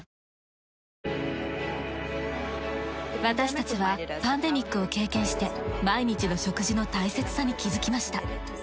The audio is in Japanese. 私たちはパンデミックを経験して毎日の食事の大切さに気づきました。